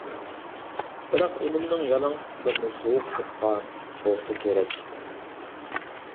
بىراق ئىنىمنىڭ يالاڭ پۇتلىرىنى سوغۇق سوققان بولسا كېرەك.